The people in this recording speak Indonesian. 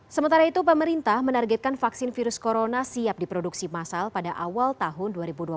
sementara itu pemerintah menargetkan vaksin virus corona siap diproduksi masal pada awal tahun dua ribu dua puluh satu